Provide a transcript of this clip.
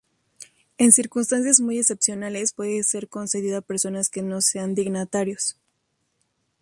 En circunstancias muy excepcionales, puede ser concedida a personas que no sean dignatarios.